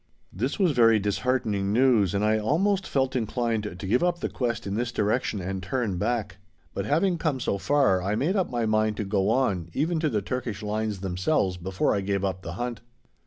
This was very disheartening news, and I almost felt inclined to give up the quest in this direction and turn back; but having come so far, I made up my mind to go on, even to the Turkish lines themselves, before I gave up the hunt.